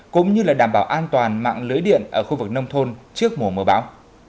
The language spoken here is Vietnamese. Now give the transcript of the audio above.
cũng như đảm bảo an toàn mạng lưới điện ở khu vực nông thôn trước mùa mưa bão